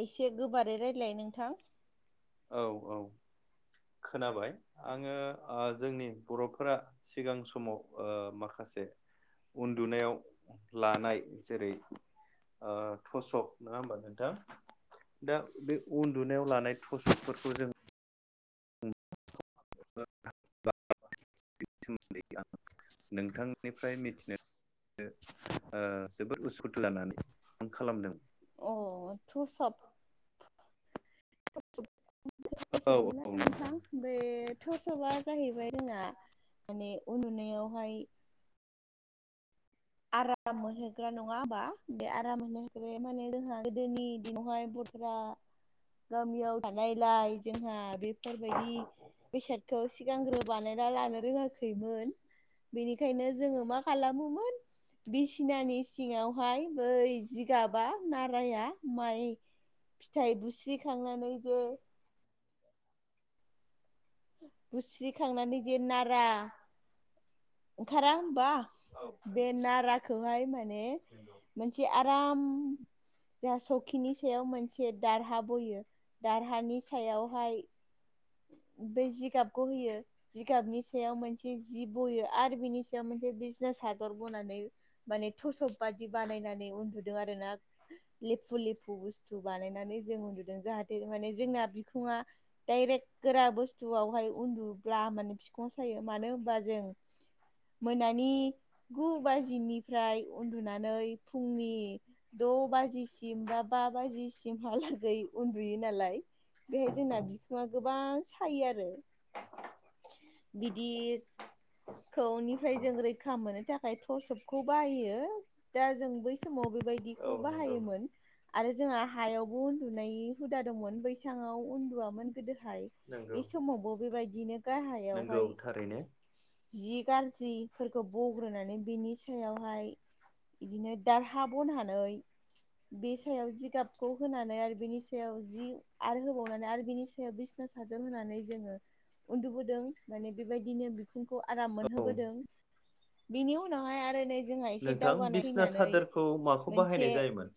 एसे गोबारै रायलाय नोंथां। औ औ खोनाबाय आङो ओ जोंनि बर'फोरा सिगां समाव ओ माखासे उन्दुनायाव लानाय जेरै ओ थसक नङा होमबा नोंथां दा बे उन्दुनायाव लानाय थसकफोरखौ जों [unintelligible] नोंथांनिफ्राय मिथिनो ओ जोबोद उसुथु लानानै फन खालामदों। अ थसब औ [unintelligible] औ नोंथां बे थसपआ जाहैबाय जोंना माने उन्दुनायावहाय आराम मोनहोग्रा नङा आबा बे आराम होनो हाखबाय माने जोंहा गोदोनि दिनावहाय बथोरा गामियाव थानायलाय जोंहा बेफोरबायदि बेसादखौ सिगांग्रो बानायना लानो रोङाखैमोन। बेनिखायनो जोङो मा खालामोमोन बिसिनानि सिङावहाय बै जिगाबा नाराया माइ फिथाइ बुस्रिखांनानै जे बुस्रिखांनानै जे नारा ओंखारा होनबा औ बे नाराखौहाय माने मोनसे आराम जोंहा सखिनि सायाव मोनसे दारहा बयो दारहानि सायावहाय बेै जिगाबखौ होयो। जिगाबनि सायाव मोनसे जि बयो आरो बिनि सायाव मोनसे बिसना सादर बनानै माने थसब बादि बानायनानै उन्दुदों आरो ना। लेफु लेफु बुस्थु बानायनानै जों उन्दुदों जाहाथे माने जोंना बिखुङा डाइरेक्ट गोरा बुस थुआवहाय उन्दुब्ला माने बिखुं सायो मानो होनबा जों मोनानि गु बाजिनिफ्राय उन्दुनानै फुंनि द' बाजिसिम बा बा बाजिसिमहालागै उन्दुयो नालाय। बेहाय जोंना बिखुङा गोबां सायो आरो। [inaudible] बिदिखौनिफ्राय जों रैखा मोननो थाखाय थसबखौ बाहायो दा जों बै समाव बेबायदिखौ नंगौ बाहायोमोन। आरो जोंहा हायावबो उन्दुनाय हुदा दंमोन बैसाङाव उन्दुआमोन गोदोहाय। नंगौ बे समावबो बेबायदिनो नंगौ गाहायावहाय थारैनो जि गाज्रिफोरखौ बग्रोनानै बिनि सायावहाय बिदिनो दारहा बनानै बे सायाव जिगाबखौ होनानै आरो बेनि सायाव जि आरो होबावनानै आरो बिनि सायाव बिसना सा होनानै जोङो उन्दुबोदों माने बेबायदिनो बिखुंखौ आराम औ मोनहोबोदों। बिनि उनावहाय आरो नै जोंहा एसे नोंथां दावगानाय बिसना फैनानै सादोरखौ माखौ बाहायनाय मोनसे जायोमोन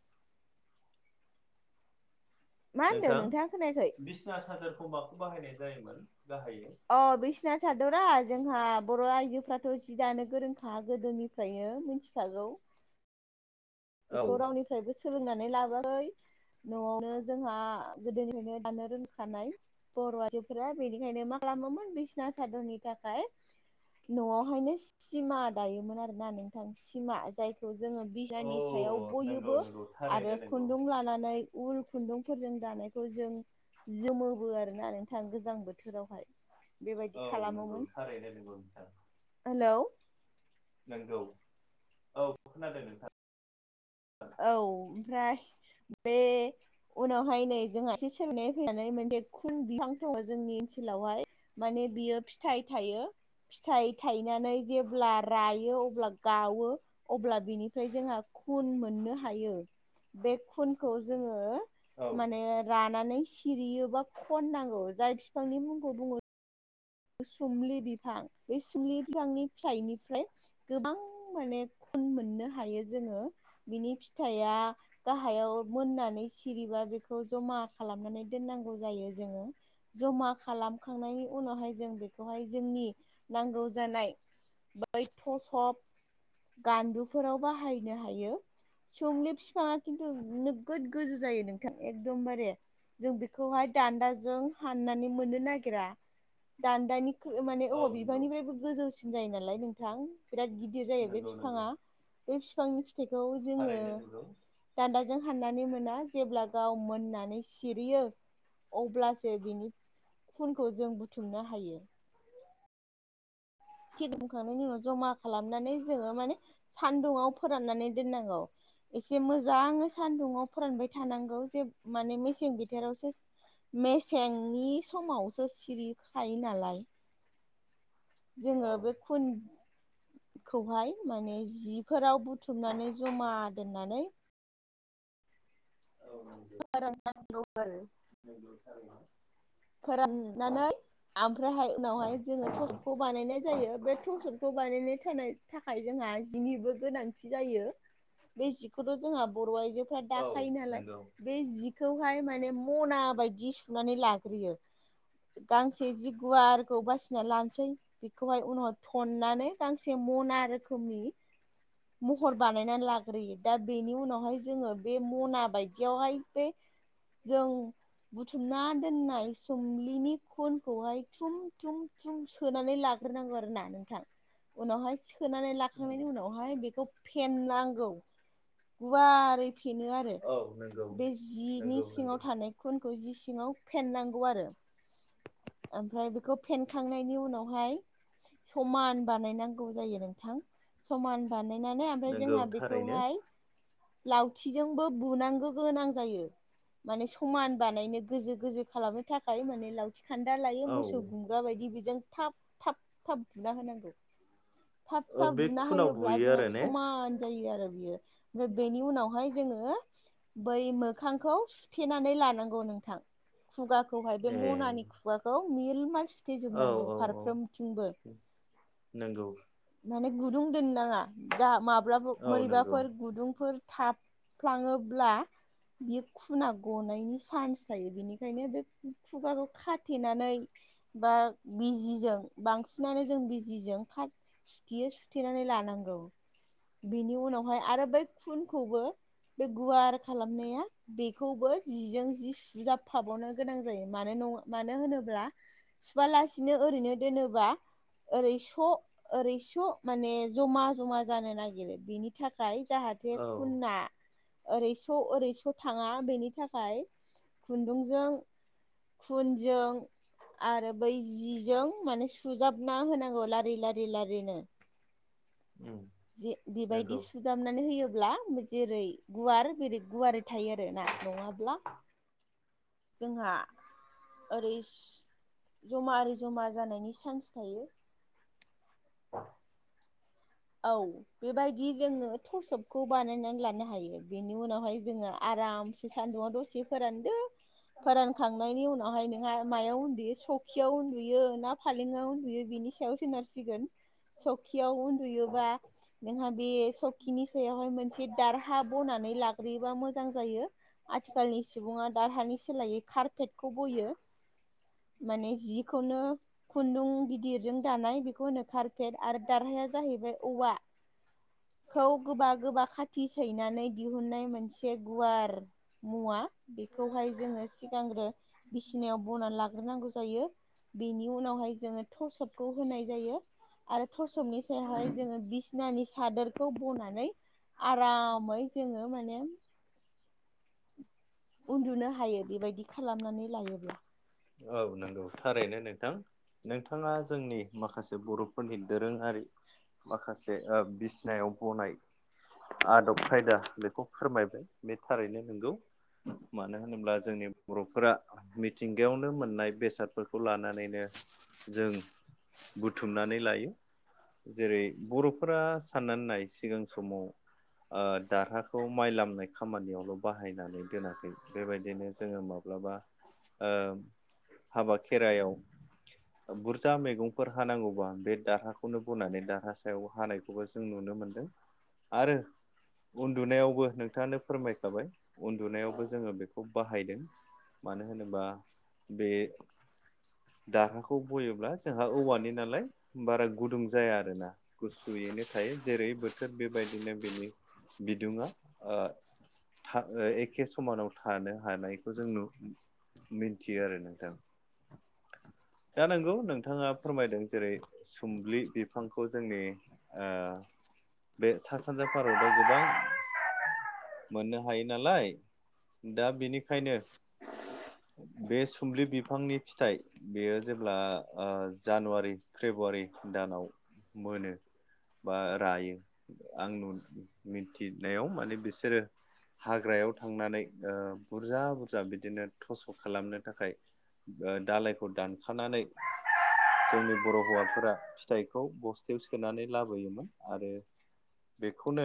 मा होनदों नोंथां नोंथाङा खोनायाखै बिसना सादोरखौ माखौ बाहायनाय जायोमोन गाहायै? अ बिसिना सादरा जोंहा बर' आइजोफ्राथ' जि दानो गोरोंखा गोदोनि फ्रायनो मिथिखागौ। औ। बेखौ रावनिफ्रायबो सोलोंनानै लाबोआखै। न'आवनो जोंहा गोदोनिफ्रायनो दानो रोंखानाय। बर' आइजोफोरा बेनिखायनो मा खालामोमोन बिसना सादरनि थाखाय न'आवहायनो सिमा दायोमोन आरोना नोंथां सिमा जायखौ जोङो औ बिसनानि सायाव नंगौ बयोबो नंगौ थारैनो आरो नंगौ खुन्दुं लानानै उल खुन्दुंफोरजों दानायखौ जों जोमोबो आरोना नोंथां गोजां बोथोरावहाय। बेबायदि औ नंगौ खालामोमोन। थारैनो नंगौ नोंथां। हेलौ नंगौ औ खोनादों नोंथां। औ ओमफ्राय बे उनावहाय नै जोंहा एसे सोलायनाय फैनानै मोनसे खुन बिफां दङ जोंनि ओनसोलावहाय माने बियो फिथाइ थायो। फिथाइ थायनानै जेब्ला रायो अब्ला गावो अब्ला बिनिफ्राय जोंहा खुन मोन नो हायो बे खुनखौ औ जोङो रानानै सि सिरियोबा खननांगौ जाय फिफांनि मुंखौ बुङो सुमलि बिफां बे सुमलि बिफांनि फिथाइनिफ्राय गोबां माने खुन मोननो हायो जोङो बिनि फिथाइया गाहायाव मोननानै सिरिबा बेखौ जमा खालामनानै दोननांगौ जायो जोङो जमा खालामखांनायनि उनावहाय जों बेखौहाय जोंनि नांगौ जानाय बै थसप गान्दुफोराव बाहायनो हायो। सोमलि फिफाङा खिन्थु नोगोद गोजौ जायो नोंथां एखदमबारे जों बेखौहाय दान्दाजों हाननानै मोननो नागिरा। दान्दानि माने औवा नंगौ बिफांनिफ्रायबो गोजौसिन जायो नालाय नोंथां बिराद गिद दिर जायो बे नंगौ नंगौ फिफाङा बे फिफांनि फिथाइखौ जोङो थारैनो नंगौ दान्दाजों हाननानै मोना जेब्ला गाव मोननानै सिरियो अब्लासो बिनि खुनखौ जों बुथुमनो हायो। थि [unintelligible] खांनायनि उनाव जमा खालामनानै जोङो माने सान्दुङाव फोराननानै दोननांगौ। इसे मोजाङै सान्दुङाव फोरानबाय थानांगौ जे माने मेसें बिथोरावसो मेसेंनि समावसो सिरिखायो नालाय। जोङो औ बे खुन खौहाय माने जिफोराव बुथुमनानै जमा दोननानै औ नंगौ फोरान नांगौ आरो। [unintelligible] फोराननानै आमफ्रायहाय उनावहाय जोङो थसपखौ बानायनाय जायो बे थसपखौ बानायनाय होनो थाखाय जोंहा जिनिबो गोनांथि जायो। बे जिखौथ' जोंहा बर' आइजोफ्रा औ दाखायो नालाय। नंगौ बे जिखौहाय माने मना बायदि सुनानै लाग्रोयो। गांसे जि गुवारखौ बासिना लानोसै बेखौहाय उनावहाय थननानै गांसे मना रोखोमनि महर बानायनानै लाग्रोयो दा बेनि उनावहाय जोङो बे मना बायदियावहाय बे जों बुथुमना दोननाय सोमलिनि खुनखौहाय थुम थुम। थुम सोनानै लाग्रोनांगौ आरो ना नोंथां उनावहाय सोनानै नायनि उनावहाय बेखौ फेननांगौ गुवारै। फेनो आरो औ नंगौ बे जिनि नंगौ सिङाव नंगौ थानाय खुनखौ जि सिङाव फेनांगौ आरो। ओमफ्राय बेखौ फेनखांनायनि उनावहाय समान बानायनांगौ जायो नोंथां। समान बानायनानै ओमफ्राय नंगौ जोंहा थारैनो बेखौहाय लावथिजोंबो बुनांगौ गोनां जायो। माने समान बानायनो गोजो गोजो खालामनो थाखाय माने लाव थिखान्दा लायो मोसौ औ गुमग्रा बायदि बेजों थाब थाब थाब बुना होनांगौ। थाब थाब बे बुना खुनाव होयोब्ला बुयो जोंहा आरो ने समा समान जायो आरो बियो ओमफ्राय बेनि उनावहाय जोङो। बै मोखांखौ सुथेनानै लानांगौ नोंथां खुगा खौहाय बे ए मनानि खुगाखौ मिल माल सु औ थेजोबनांगौ औ औ फारफ्रोमथिंबो। नंगौ माने गुदुं दोननो नाङा। जा माब्लाबा औ नंगौ मोरैबाफोर गुदुंफोर थाफ्लाङोब्ला बियो। खुना गनायनि सान्स थायो। बेनिखायनो बे खुगाखौ खाथेनानै बा बिजिजों बांसिनानो जों बिजिजों खा सुथेयो। सुथेनानै लानांगौ। बेनि उनावहाय आरो बै खुनखौबो बे गुवार खालामनाया बेखौबो जिजों जि सुजाबफाबावनो गोनां जायो। मानो ना मानो होनोब्ला सुवालासिनो ओरैनो दोनोबा ओरै स' ओरै माने जमा जमा जानो नागिरो बेनि थाखाय जाहाथे औ खुना ओरैस' ओरैस' थाङा बेनि थाखाय खुन्दुंजों खुनजों आरो बै जिजों माने सुजाबना होनांगौ लारि लारि लारिनो। उम जे नंगौ बेबायदि सु जामनानै होयोब्ला जेरै गुवार बेरै गुवारै थायो आरो ना नङाब्ला [unintelligible] जोंहा ओरै जमा ओरै जमा जानायनि चान्स थायो। [unintelligible] औ बेबायदि जोङो थसबखौ बानायनानै लानो हायो। बे उनावहाय जोङो आरामसे सान्दुंआव दसे फोरानदो फोरानखांनायनि उनावहाय मायाव उन्दुयो सखियाव उन्दुयो ना फालेंआव उन्दुयो बिनि सायाव सोनारसिगोन। सौखियाव उन्दुयोबा नोंहा बे सबखिनि सायावहाय मोनसे दारहा बनानै लाग्रोयोबा मोजां जायो। आथिखालनि सुबुङा दा हानि सोलायै खारपेद खौ बयो माने जिखौनो खुन्दुं गिदिर जों दानाय बेखौ होनो खारफेट आरो दारहाया जाहैबाय औवा खौ गोबा गोबा खाथि सै नानै दिहुननाय मोनसे। एसे गुवार मुवा बेखौहाय जोङो सिगांग्रो बिसिनायाव बनानै लाग्रोनांगौ जायो। बेनि उनावहाय जोङो थसपखौ होनाय जायो आरो थसपनि सायावहाय जोङो बिसनानि सादोरखौ बनानै आरामै जोङो माने उन्दुनो हायो बेबायदि खालामनानै लायोब्ला औ नंगौ थारैनो नोंथां नोंथाङा जोंनि माखासे बर' फोरनि दोरोङारि माखासे ओ बिसिनायाव बनाय आदब खायदा बेखौ फोरमायबाय बे थारैनो नोंगौ मानो होनोब्ला जोंनि बर'फोरा मिथिंगायावनो मोननाय बेसादफोरखौ लानानैनो जों बुथुमनानै लायो जेरै बर'फोरा साननानै नाय सिगां समाव दारहाखौ माइ लामनाय खामानियावल' बाहायनानै दोनाखै बेबायदिनो जोङो माब्लाबा ओ हाबा खेरायाव बुरजा मैगंफोर हानांगौबा बे दारहाखौनो बनानै दारहा सायाव हानायखौबो जों नुनो मोनदों आरो उन्दुनायावबो नोंथाङानो फोरमायखाबाय उन्दुनायावबो जोङो बेखौ बाहायदों मानो होनोबा बे दारहाखौ बयोब्ला जोंहा औवानि नालाय बारा गुदुं जाया आरोना गुसुयैनो थायो जेरै बोथोर बेबाय दिनो बिनि बिदुुंआ ओ था एखे समानाव थानो हानायखौ जों नु मिथियो आरो नोंथां दा नंगौ नोंथाङा फोरमायदों जेरै सुम्लि बिफांखौ जोंनि ओ बे सा सानजा भारतआव गोबां मोननो हायो नालाय दा बेनिखायनो बे सुम्लि बिफांनि फिथाइ बेयो जेब्ला ओ जानुवारि फेब्रुवारि दानाव मोनो बा रायो आं नु मिथिनायाव माने बिसोरो हाग्रायाव नानै ओ बुरजा बुरजा बिदिनो थसक खालामनो थाखाय ओ दालायखौ दानखानानै जोंनि बर' हौवाफोरा फिथाइखौ बस्थायाव सोनानै लाबोयोमोन आरो बेखौनो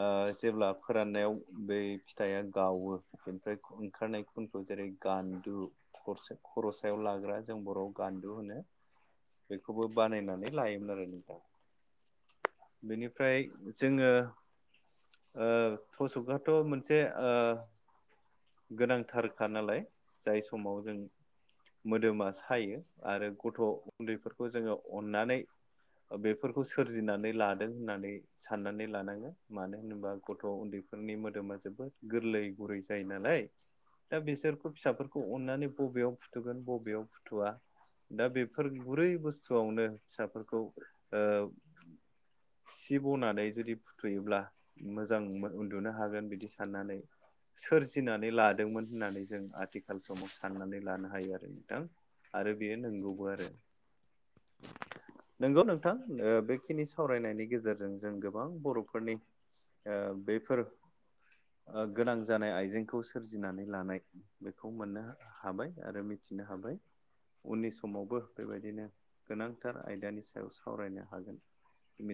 ओ जेब्ला फोराननायाव बै फिथाया गावो बेनिफ्राय ओंखारनाय खुनखौ जेरै गान्दु खरसे खरसायाव ला जों बर'वाव गान्दु होनो बेखौबो बानायनानै लायोमोन आरो नोंथां बेनिफ्राय जोङो ओ थस'कआथ' मोन से ओ गोनांथारखा नालाय जाय समाव जों मोदोमा सायो आरो गथ' उन्दैफोरखौ जोङो अननानै ओ बेफोरखौ सोरजिनानै लादों होननानै साननानै लानांगोन मानो होनोबा गथ' उन्दैफोरनि मोदोमा जोबोद गोरलै गुरै जायो नालाय दा बिसोरखौ फिसाफोरखौ अननानै बबेयाव फुथुगोन बबेयाव फुथुवा दा बेफोर गुरै बुस्थुआवनो फिसाफोरखौ ओ सि बनानै जुदि फुथुयोब्ला मोजां उन्दुनो हागोन बिदि साननानै सोरजिनानै लादोंमोन होननानै जों आथिखाल समाव साननानै लानो हायो आरो नोंथां आरो बेयो नंगौबो आरो नोंगौ नोंथां ओ बेखिनि सावरायनायनि गेजेरजों जों गोबां बर'फोरनि ओ बैफोर गोनां जानाय आइजेंखौ सोरजिनानै लानाय बेखौ मोननो हाबाय आरो मि थिनो हाबाय उननि समावबो बेबायदिनो गोनांथार आयदानि सायाव सावरायनो हागोन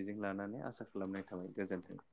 मिजिं लानानै आसा खालामनाय थाबाय गोजोन्थों